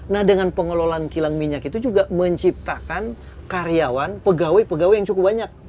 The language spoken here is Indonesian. nah dengan pengelolaan kilang minyak itu juga menciptakan karyawan pegawai pegawai yang cukup banyak